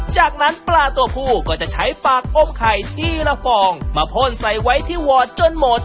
จากนั้นปลาตัวผู้ก็จะใช้ปากอมไข่ทีละฟองมาพ่นใส่ไว้ที่วอร์ดจนหมด